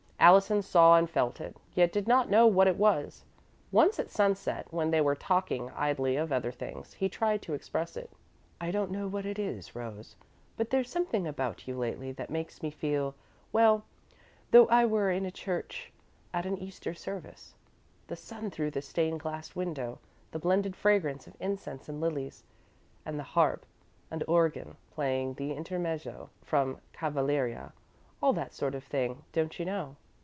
Allison saw and felt it, yet did not know what it was. Once at sunset, when they were talking idly of other things, he tried to express it. "I don't know what it is, Rose, but there's something about you lately that makes me feel well, as though I were in a church at an Easter service. The sun through the stained glass window, the blended fragrance of incense and lilies, and the harp and organ playing the Intermezzo from Cavalleria all that sort of thing, don't you know?"